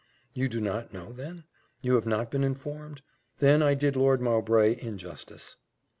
"You do not know then? You have not been informed? Then I did Lord Mowbray injustice."